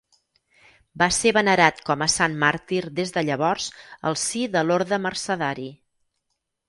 Va ser venerat com a sant màrtir des de llavors al si de l'orde mercedari.